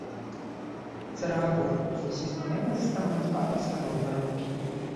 Zareagują, jeśli spełnione zostaną dwa podstawowe warunki